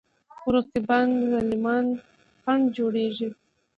خو رقیبان ظالمان خنډ جوړېږي.